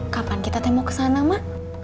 kapan kita teh mau kesana ma